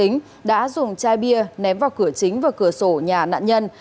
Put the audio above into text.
một người dân tính đã dùng chai bia ném vào cửa chính và cửa sổ nhà nạn nhân